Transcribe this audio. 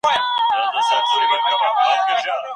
د غوجلې صحنه د بدويت سمبول ګرځي ډېر قوي دی.